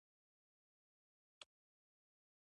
سیاسي نظام باید ځواب ورکوونکی وي